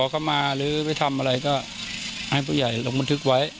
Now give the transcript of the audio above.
แต่๑๕ที่ข้ามเมื่อน๖ต้องไป